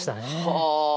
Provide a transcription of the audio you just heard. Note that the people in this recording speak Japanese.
はあ！